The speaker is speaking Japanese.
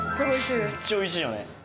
めっちゃおいしいよね。